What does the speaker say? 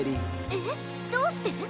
えっどうして？